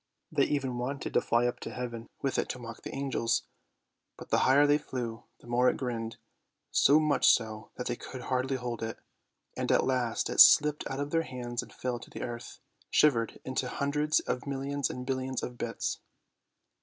They even wanted to fly up to heaven with it to mock the angels; but the higher they flew, the more it grinned, so much so that they could hardly hold it, and at last it slipped out of their hands and fell to the earth, shivered into hundreds of millions and billions of bits.